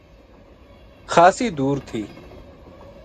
خاصی دور تھی